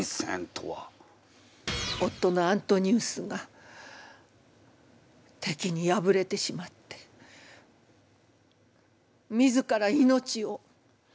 夫のアントニウスがてきに敗れてしまって自ら命を。